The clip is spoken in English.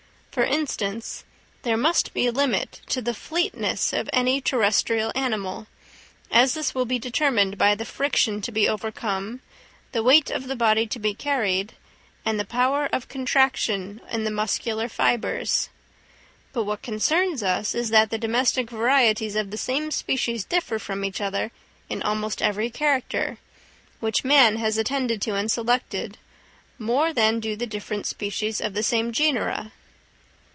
For instance, there must be a limit to the fleetness of any terrestrial animal, as this will be determined by the friction to be overcome, the weight of the body to be carried, and the power of contraction in the muscular fibres. But what concerns us is that the domestic varieties of the same species differ from each other in almost every character, which man has attended to and selected, more than do the distinct species of the same genera.